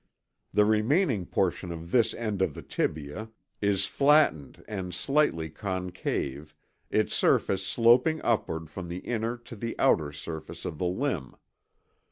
The remaining portion of this end of the tibia is flattened and slightly concave, its surface sloping upward from the inner to the outer surface of the limb.